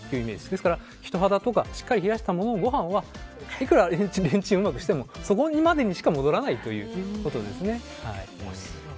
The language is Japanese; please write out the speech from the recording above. ですから人肌とかしっかり冷やしたご飯はいくらレンチンをうまくしてもそこまでしか戻らないですね。